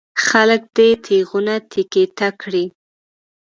خلک دې تېغونه تېکې ته کړي.